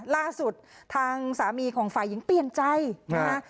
ล่าสุดทางสามีของฝ่ายหญิงเปลี่ยนใจนะฮะ